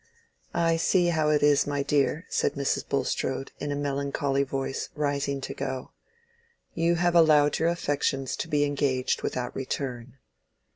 "I see how it is, my dear," said Mrs. Bulstrode, in a melancholy voice, rising to go. "You have allowed your affections to be engaged without return."